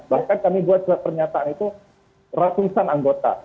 bahkan kami buat surat pernyataan itu ratusan anggota